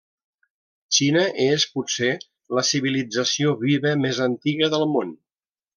Xina és, potser, la civilització viva més antiga del món.